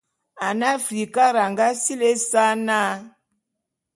Ane Afrikara a nga sili ésa na.